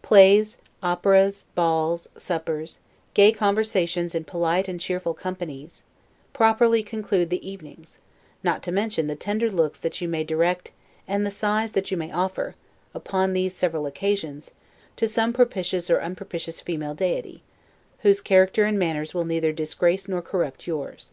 Plays, operas, balls, suppers, gay conversations in polite and cheerful companies, properly conclude the evenings; not to mention the tender looks that you may direct and the sighs that you may offer, upon these several occasions, to some propitious or unpropitious female deity, whose character and manners will neither disgrace nor corrupt yours.